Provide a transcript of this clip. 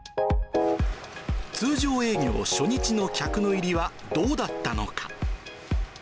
通常営業初日の客の入りは、どうだったのか。